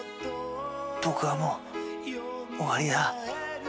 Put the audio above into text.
僕はもう終わりだ。